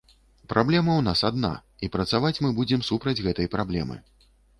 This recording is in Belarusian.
Праблема ў нас адна і працаваць мы будзем супраць гэтай праблемы.